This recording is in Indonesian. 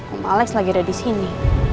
om alex lagi ada disini